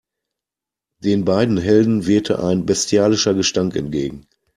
Den beiden Helden wehte ein bestialischer Gestank entgegen.